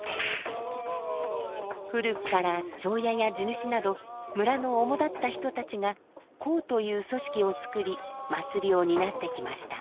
古くから庄屋や地主など村のおもだった人たちが「講」という組織をつくり祭りを担ってきました。